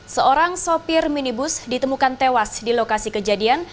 seorang sopir minibus ditemukan tewas di lokasi kejadian